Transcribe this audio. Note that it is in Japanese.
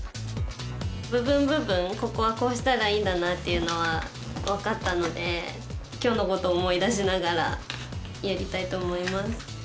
部分部分ここはこうしたらいいんだなっていうのは分かったのできょうのことを思い出しながらやりたいと思います。